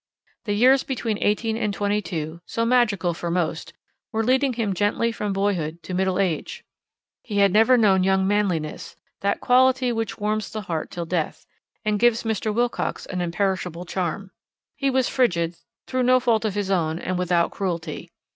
The years between eighteen and twenty two, so magical for most, were leading him gently from boyhood to middle age. He had never known young manliness, that quality which warms the heart till death, and gives Mr. Wilcox an imperishable charm. He was frigid, through no fault of his own, and without cruelty.